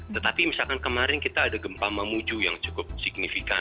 tetapi misalkan kemarin kita ada gempa mamuju yang cukup signifikan